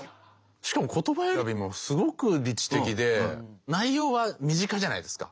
しかも言葉選びもすごく理知的で内容は身近じゃないですか。